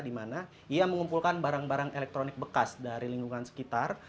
di mana ia mengumpulkan barang barang elektronik bekas dari lingkungan sekitar